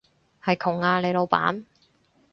係窮啊，你老闆